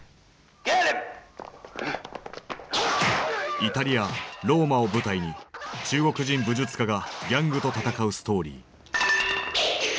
イタリア・ローマを舞台に中国人武術家がギャングと戦うストーリー。